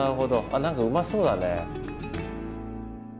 何かうまそうだね。